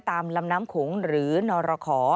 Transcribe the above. ตามลำน้ำขงหรือนรขอ